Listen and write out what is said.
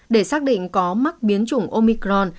để xác định có mắc biến chủng omicron